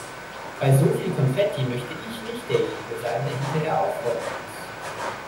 Bei so viel Konfetti möchte ich nicht derjenige sein, der hinterher aufräumen muss.